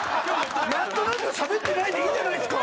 なんとなく「しゃべってない」でいいじゃないですか！